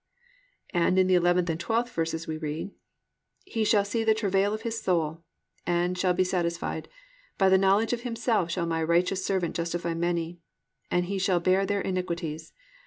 "+ And in the 11th and 12th verses we read, +"He shall see of the travail of His soul, and shall be satisfied: by the knowledge of Himself shall my righteous servant justify many; and He shall bear their iniquities.